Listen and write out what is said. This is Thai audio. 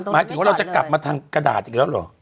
หมายถึงว่าเราจะกลับมาทางกระดาษอีกแล้วเหรอ